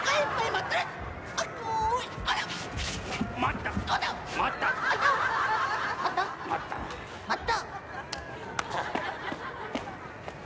待った？